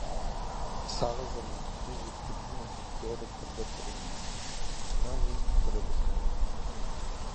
Сағызыма Кічиҷек тегиннің сӧстері кір ле турғаннар, анаң мин сурыбысхам: